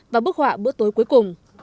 và bức họa bữa tối cuối cùng